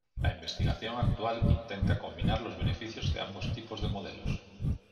La investigación actual intenta combinar los beneficios de ambos tipos de modelos.